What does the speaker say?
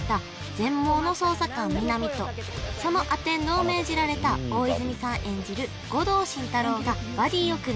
全盲の捜査官皆実とそのアテンドを命じられた大泉さん演じる護道心太朗がバディを組み